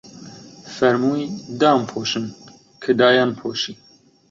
فەرمووی: دام پۆشن، کە دایان پۆشی